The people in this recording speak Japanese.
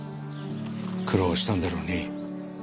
苦労したんだろうね。